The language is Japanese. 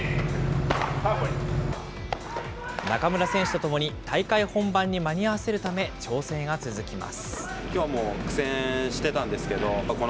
中村選手とともに大会本番に間に合わせるため、調整が続きます。